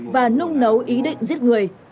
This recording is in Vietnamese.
và nung nấu ý định giết người